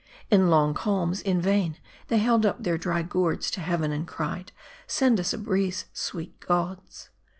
In long calms, in vain they held up their dry gourds to heaven, and cried " send us a breeze, sweet gods